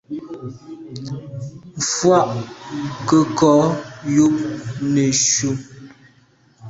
Mfùag nke nko yub neshu.